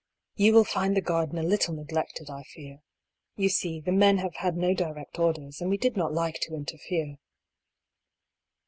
"You will find the garden a little neglected, I fear. You see, the men have had no direct orders, and we did not like to interfere."